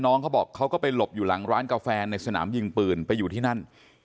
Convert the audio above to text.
เขาบอกเขาก็ไปหลบอยู่หลังร้านกาแฟในสนามยิงปืนไปอยู่ที่นั่น